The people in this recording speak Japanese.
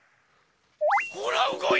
ほらうごいた！